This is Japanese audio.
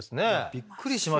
びっくりしましたね。